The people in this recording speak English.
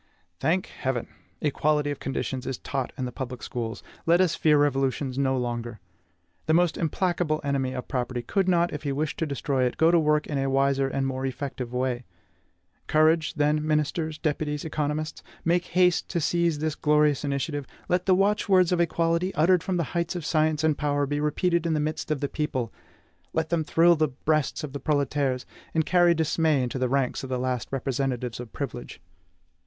Thank Heaven! equality of conditions is taught in the public schools; let us fear revolutions no longer. The most implacable enemy of property could not, if he wished to destroy it, go to work in a wiser and more effective way. Courage, then, ministers, deputies, economists! make haste to seize this glorious initiative; let the watchwords of equality, uttered from the heights of science and power, be repeated in the midst of the people; let them thrill the breasts of the proletaires, and carry dismay into the ranks of the last representatives of privilege!